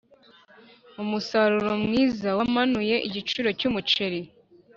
umusaruro mwiza wamanuye igiciro cyumuceri.